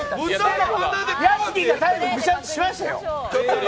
屋敷が最後、グシャッとしましたよ！